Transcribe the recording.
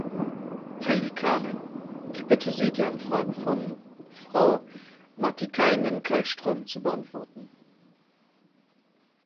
Herr Liikanen, ich bitte Sie, die Anfrage von Frau Matikainen-Kallström zu beantworten.